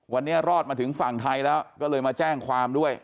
วันนี้รอดมาถึงฝั่งไทยแล้วก็เลยมาแจ้งความด้วย